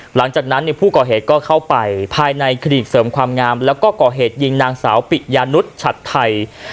หลังจากนั้นผู้ก่อเหตุก็เข้าไปภายในคลินิกเสริมความงามแล้วก็ก่อเหตุยิงนางสาวปิยานุษย์ฉัดไทย